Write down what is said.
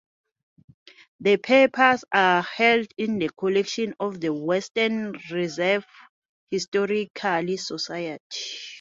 Her papers are held in the collections of the Western Reserve Historical Society.